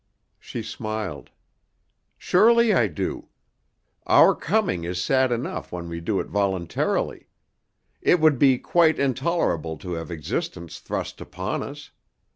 She smiled. "Surely I do. Our coming is sad enough when we do it voluntarily. It would be quite intolerable to have existence thrust upon us.